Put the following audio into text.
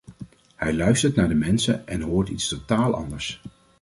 Hij luistert naar de mensen en hoort iets totaal anders.